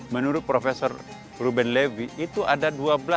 menurut profesor ruben levy itu ada dua belas